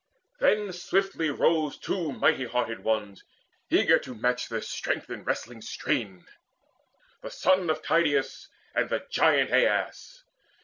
Then swiftly rose two mighty hearted ones Eager to match their strength in wrestling strain, The son of Tydeus and the giant Aias.